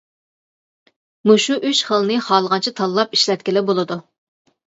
مۇشۇ ئۈچ خىلنى خالىغانچە تاللاپ ئىشلەتكىلى بولىدۇ.